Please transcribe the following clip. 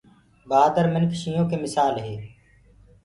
بهآدرآ مِنک شيِنهو ڪي مِسآل هي۔